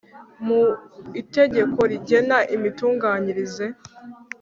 mu itegeko rigena imitunganyirize